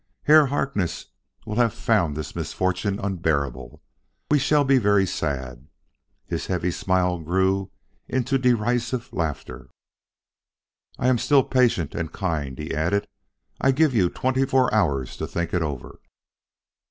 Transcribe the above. Herr Harkness will have found this misfortune unbearable.... We shall be very sad!" His heavy smile grew into derisive laughter. "I am still patient, and kind," he added. "I give you twenty four hours to think it over."